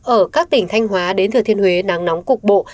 ở các tỉnh thanh hóa đến thừa thiên huế nắng nóng cục bộ